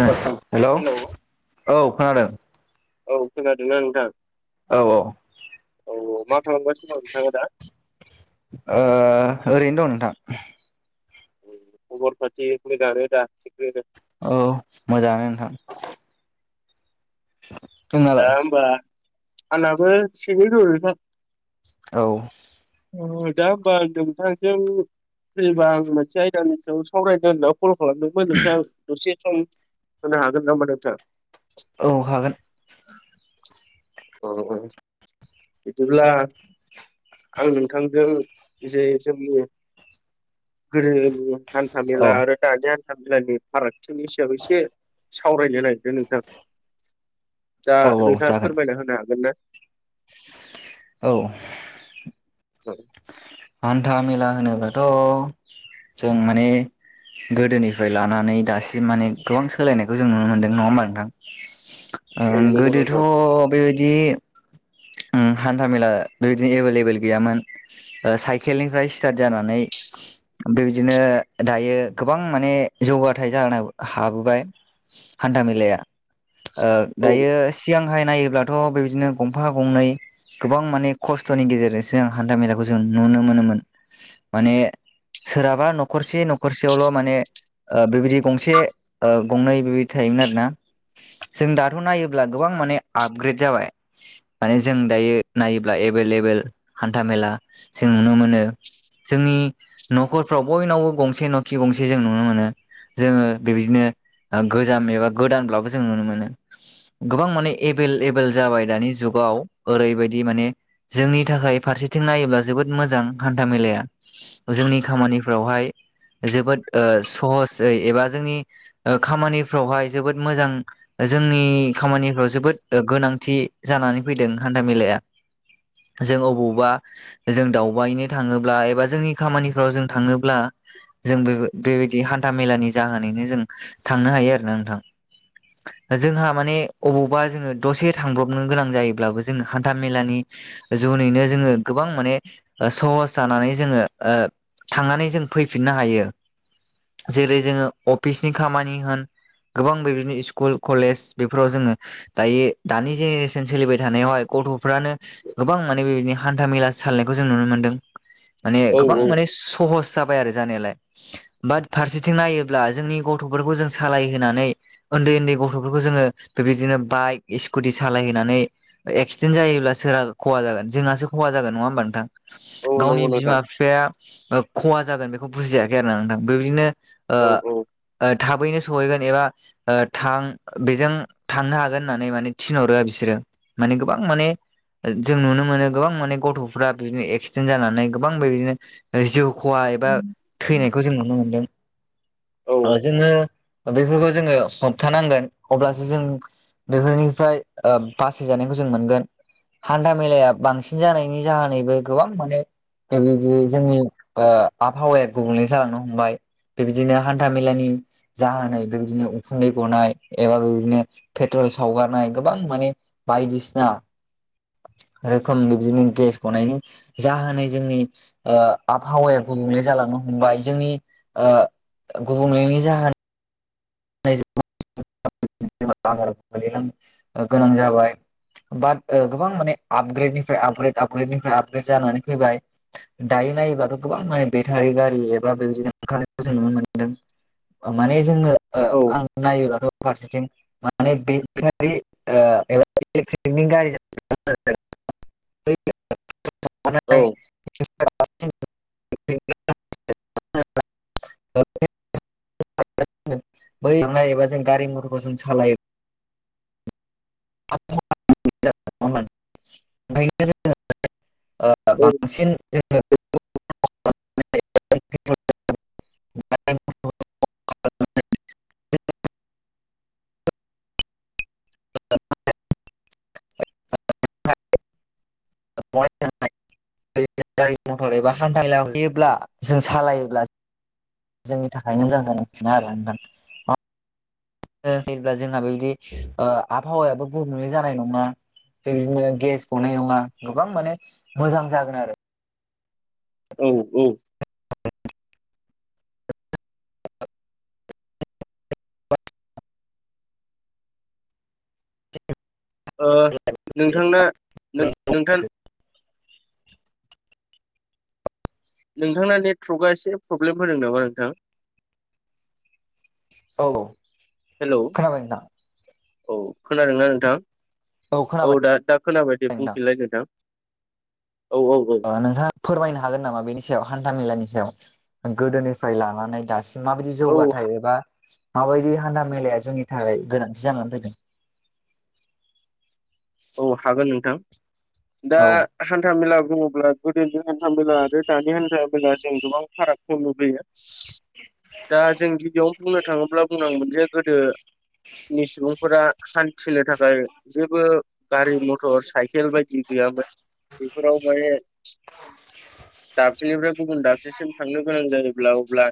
हेल' hello औ खोनादों। औ खोनादोंना नोंथां? औ ओ औ मा खालामगासिनो दं नोंथाङा दा? ओ ओरैनो दं नोंथां। अम फा थि र दा [unintelligible] औ मोजाङानो नोंथां। [unintelligible] दा होमबा आंनाबो थिगैनो दं नोंथां। औ। दा होमबा आं नोंथांजों फैबा आं मोनसे आयदानि सायाव सावरायनो होनदों। कल खालामदोंमोन नोंथां दसे सम होनो हागोन नामा नोंथां? औ हागोन। अह बिदिब्ला आं नोंथांजों जे जोंनि गोदोनि हान्था मेला औ आरो दानि हा हान्था मेलानि फारागथिनि सायाव एसे सावरायनो नागिरदों नोंथां। दा औ औ नोंथाङा जागोन फोरमायना होनो हागोन ना? औ औ हान्था मेला होनोबाथ' जों माने गोदोनिफ्राय लानानै दासिम माने गोबां सोलायनायखौ जों नुनो मोन्दों नङा होमबा औ नोंथां। नंगौ नोंथां गोदोथ' बेबायदि ओम हान्थामेला बेबायदिनो एभेलेबोेल गैयामोन। साइकेलनिफ्राय स्टार्ट जानानै बेबायदिनो दायो गोबां माने जौगाथाय जानो हाबोबाय हान्था मेलाया। औ दायो सिगांहाय नायोब्लाथ' बेदिनो गंफा गंनै गोबां माने खस्थ'नि गेजेरजोंसो हान्था मेलाखौ जों नुनो मोनोमोन। माने सोरहाबा न'खरसे न'खरसेयावल' माने बेबायदि गंसे गंनै बेबायदि थायोमोन आरो ना जों दाथ' नायोब्ला गोबां माने आपग्रेड जाबाय। माने जों दायो नायोब्ला एभेलेबोेल हान्था मेला जों नुनो मोनो। जोंनि न'खरफ्राव बयनावबो गंसे न'खि गंसे जों नुनो मोनो। जोङो बेबायदिनो गोजाम एबा गोदानब्लाबो जों नुनो मोनो। गोबां माने एभेल एभेल जाबाय दानि जु जुगाव ओरैबायदि माने जोंनि थाखाय फारसेथिं नायोब्ला जोबोद मोजां हान्था मेलाया। जोंनि खामानिफ्रावहाय जोबोद ओ सहसै एबा जोंनि खामानिफ्रावहाय जोबोद मोजां जोंनि खामानिफ्राव जोबोद गोनांथि जानानै फैदों हान्था मेलाया। जों अबावबा जों दावबायनो थाङोब्ला एबा जोंनि खामानिफ्राव जों थाङोब्ला जों बे बेबायदि हान्था मेलानि जाहोनैनो जों थांनो हायो आरोना नोंथां। जोंहा माने अबावबा जोङो दसे थांब्रब नो गोनां जायोब्लाबो जों हान्था मेलानि जुनैनो जोङो गोबां माने सहज नानै जोङो थांनानै जों फैफिननो हायो। जेरै जोङो अफिसनि खामानि होन गोबां बेबायदिनो स्कुल कलेज बेफोराव जोङो दायो दानि जेनेरेसन सोलिबाय थानायावहाय गथ'फ्रानो गोबां माने बेबायदिनो हान्था मेला सालनायखौ जों नुनो मोनदों। माने औ गोबां माने सहस जाबाय आरो जानायालाय बाट फारसेथिं नायोब्ला जोंनि गथ'फोरखौ जों सालायहोनानै ओन्दै ओन्दै गथ'फोरखौ जोङो बेबायदिनो बाइक स्कुटि सालायहैनानै एक्सिडेन्ट जायोब्ला सोरा खहा जागोन जोंहासो खहा जागोन नङा होमबा नोंथां। औ गावनि नंगौ नोंथां बिमा बिफाया खहा जागोन बेखौ बुजियाखै आरो ना नोंथां बेबायदिनो औ औ ओ थाबैनो सहैगोन एबा थां बेजों थांनो हागोन होननानै मानि थिनहरो बिसोरो माने गोबां माने जों नुनो मोनो गोबां माने गथ'फ्रा बिदिनो एक्सिडेन्ट जानानै गोबां बेदिनो जिउ खहा एबा थैनायखौ जों नुनो मोनदों औ जोङो बेफोरखौ जोङो हमथानांगोन अब्लासो जों बेफोरनि फ्राय बासाय जानायखौ जों मोनगोन हान्था मेलाया बांसिन जानायनि जाहोनैबो गोबां माने बे बिदि जोंनि आबहावाया गुबुंले जालांनो हमबाय। बेबायदिनो हान्था मेलानि जाहोनै बेबायदिनो उखुन्दै गनाय एबा बेबायदिनो पेट्रल सावगारनाय गोबां माने बायदिसिना [inaudible] रोखोम बिदिनो गेस गनायनि जाहोनै जोंनि आबहावाया गुबुंले जालांनो हमबाय जोंनि गुबुंलेनायनि जाहोना [unintelligible] गोनां जाबाय बाट गोबां माने आपग्रेडनिफ्राय आपग्रेद आपग्रेड निफ्राय आपग्रेड जानानै फैबाय दायो नायोब्लाथ' गोबां माने बेटारि गारि एबा बेबायदिनो ओंखारनायखौ जों नुनो मोन्दों। माने जोंङो औ आं नायोबथ' फारसेथिं माने [unintelligible] [inaudible] औ [unintelligible] बै थांनायबा जों गारि मथरखौ जों सालायो। [unintelligible] ओ औ बांसिन [unintelligible] [unintelligible] [unintelligible] [unintelligible] गारि मथर एबा हान्था लाहैयोब्ला जों सालायोब्ला जोंनि थाखायनो मोजां [unintelligible] आरो नोंथां ओ जेब्ला जोंहा बेबायदि आबहावायाबो गुबुंले जानाय नङा। बेबायदिनो गेस गनाय नङा गोबां माने मोजां जागोन आरो। औ औ ओ नोंथांनो नोंथा नोंथांना नेटवर्कआ एसे प्रब्लेम होदों नामा नोंथां? औ हेलौ खोनाबाय नोंथां? औ खोनादोंना नोंथां औ दा दा खोनाबायदि बुंफिनलाय नोंथां। औ औ ओ नोंथाङा फोरमायनो हागोन नामा बेनि सायाव हान्था मेलानि सायाव गोदोनिफ्राय लानानै दासिम माबायदि औ जौगाथाय एबा माबायदि हान्दा मेलाया जोंनि थाखाय गोनांथि जानानै फैदों औ हागोन नोंथां दा औ हान्था मेला बुङोब्ला गोदोनि हान्था मेला आरो दानि हान्था मेला जों गोबां फारागखौ नुबैयो। दा जों गिबियावनो बुंनो थाङोब्ला बुंनांगौन जे गोदो नि सुबुंफोरा हान्थिनो थाखाय जेबो गारि मथर साइकेल बायदि गैयामोन बेफोराव माने दाफसेनिफ्राय गुबुन दाबसेसिम थांनो गोनां जायोब्ला अब्ला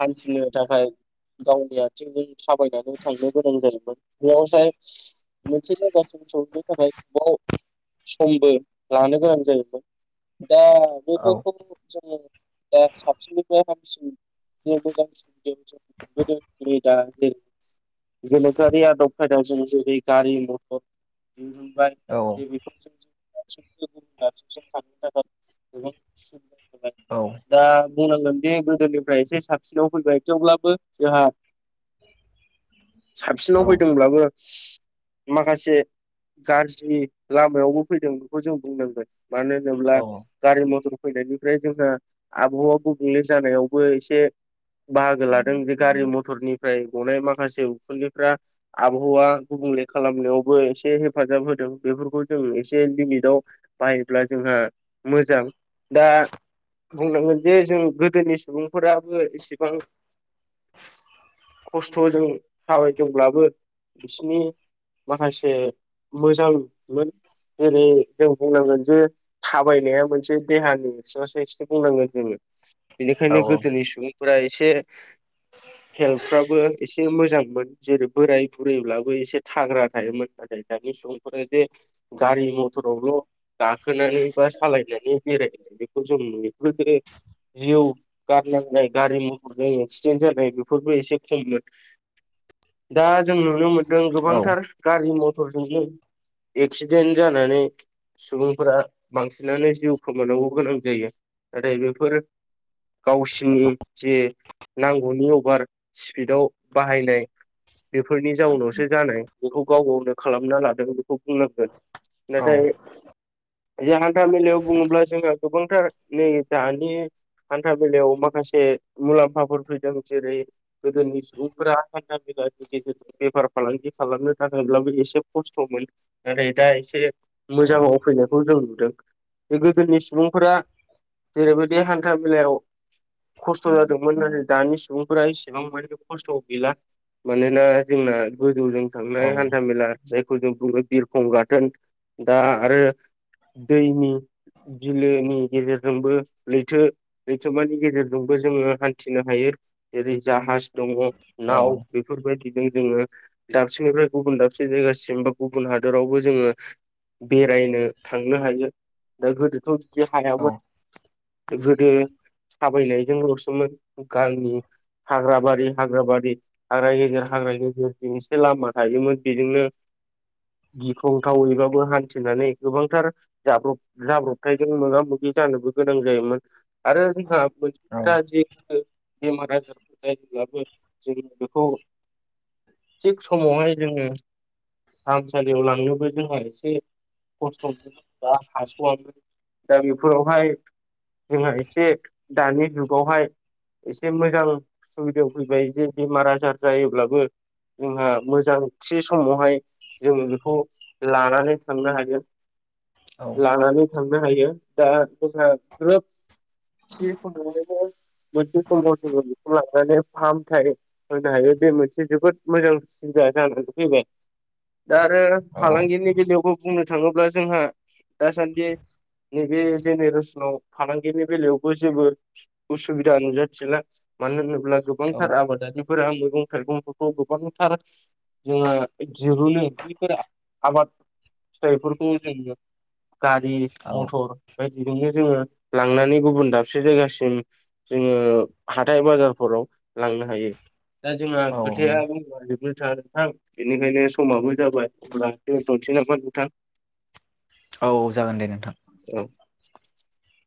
हान्थिनो थाखाय गावनि आथिंजों थाबायनानै थांनो गोनां जादोंमोन। बेयावहाय मोनसे जायगासिम मोसौनि थाखाय गोबाव समबो लानो गोनां जायोमोन। दा औ बेथफोरखौ जोंङो दा साबसिननिफ्राय हाम [unintelligible] बगोनोखोआरि आदब खायदाजों जेरै गारि मथर दिहुनबाय औ जे बेफोरजों जों औ [unintelligible] बुंनांगोनदि गोदोनिफ्राय एसे साबसिनयाव फैबाय थेवब्लाबो जोंहा साबसिनाव औ फैदोंब्लाबो माखासे गाज्रि लामायावबो फैदों बेखौ जों बुंनांगोन मानो होनोब्ला औ गारि मथर फैनायनिफ्राय जोंहा आबहावा गुबुंले जानायावबो एसे बाहागो लादों बे गारि मथरनिफ्राय गनाय माखासे उखुलिफ्रा आबहावा गुबुन गुबुंले खालामनायावबो एसे एसे हेफाजाब होदों बेफोरखौ जों एसे लिमिटआव बाहायोब्ला जोंहा मोजां। दा बुंनांगोन जे जों गोदोनि सुबुंफोराबो इसेबां खस्थजों थाबायदोंब्लाबो बिसिनि माखासे मोजांमोन जेरै जों बुंनांगोन जे थाबायनाया मोनसे देहानि [unintelligible] बुंनांगोन जोङो औ बेनिखायनो गोदोनि सुबुंफोरा एसे हेल्थफ्राबो एसे मोजां मोन जेरै बोराय बुरैब्लाबो एसे थाग्रा थायोमोन नाथाय दानि सुबुंफोरा जे गारि मथरावल' गाखोनानै बा सालायनानै बेराय [unintelligible] जिउ गारनांनाय गारि मथरजों एक्सिडेन्ट जानाय बेफोरबो एसे खममोन दा जों नुनो मोनदों औ गोबांथार गारि मथर फोरजोंनो एक्सिडेन्ट जानानै सुबुंफोरा बांसिनानो जिउ खोमानांगौ गोनां जायो नाथाय बेफोर गावसिनि जे नांगौनि अभार स्पिडाव बाहायनाय बेफोरनि जाउनावसो जानाय बेखौ गाव गावनो खालामना लादों बेखौ बुंनांगोन नाथाय जे हान्था मेलायाव बुङोब्ला जोंहा गोबांथार नै दानि हान्था मेलायाव माखासे [unintelligible] मुलाम्फाफोर फैदों जेरै गोदोनि सुबुंफोरा हान्था मेलानि गेजेरजों बेफार फालांगि खालामनो थाखायब्लाबो एसे खस्थ'मोन नाथाय दा एसे मोजाङाव फैनो खौ जों नुदों बे गोदोनि सुबुंफोरा जेरैबायदि हान्था मेलायाव खस्थ' जादोंमोन नाथाय दानि सुबुंफोरा एसेबां मानि खस्थ' गैला। मानोना जोंना गोजौजों औ थांनाय हान्था मेला जायखौ जों बुङो बिरखं गाथोन दा आरो दैनि बिलोनि गेजेरजोंबो लैथो लैथोमानि गेजेरजोंबो जोङो हान्थिनो हायो। जरै जाहाज दङ नाव औ बेफोरबायदिजों जोङो दाबसेनिफ्राय गुबुन दाबसे से जायगासिम बा गुबुन हादोरावबो जोङो बेरायनो थांनो हायो। दा गोदोथ' बिदि औ हायामोन गोदो थाबायनायजों ल'सोमोन गालनि हाग्राबारि हाग्राबारि हाग्रा गेजेर हाग्रा गेजेरजों एसे लामा थायोमोन। बिदिनो गिख्रंथावैबाबो हान्थिनानै गोबांथार जाब्रब जाब्रबथायजों मोगा मोगि जानोबो गोनां जायोमोन आरो जोंहा मोनसे औ खोथा जे [unintelligible] बेमार आजारफोर जायोब्लाबो जों बेखौ थिग समावहाय जोङो फाहामसालियाव लांनोबो जोंहा एसे खस्थ'मोन बा हास'वामोन दा बेफोरावहाय जोंहा एसे दानि जुगावहाय एसे मोजां सुबिदायाव फैबाय जे बेमार आजार जायोब्लाबो जोंहा मोजां थि समावहाय जोङो बेखौ लानानै थांनो हायो। औ लानानै थांनो हायो दा जोंहा ग्रोबस [unintelligible] फाहामथाय होनो हायो। बे मोनसे जोबोद मोजां सुबिदा जाना फैबाय दा आरो फालांगिनि बेलायावबो बुंनो थाङोब्ला जोंहा दासान्दि नैबे जेनेरेसनाव फालांगिनि बेलायावबो जेबो उसुबिदा नुजाथिला। मानो होनोब्ला औ गोबांथार आबादारिफोरा मैगं थाइगंफोरखौ गोबांथार जोङो दिरुनो [inaudible] फोरा आबाद फिथाइफोरखौ जों गारि मथर बायदिजोंनो जोङो लांनानै गुबुन दाबसे जायगासिम जोङो हाथाय बाजारफोराव लां नो हायो दा जोंहा औ खोथाया बुंबा जोबनो थाङा नोंथां - बेनिखायनो समाबो जाबाय अब्ला दोनथ'नोसै नामा नोंथां? औ जागोन दे नोंथां। औ [inaudible]